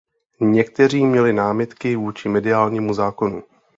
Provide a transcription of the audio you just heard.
Někteří měli námitky vůči mediálnímu zákonu.